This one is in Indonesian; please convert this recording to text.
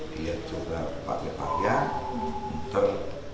dia coba pakai pahaya muter